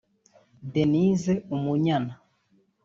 Denise Umunyana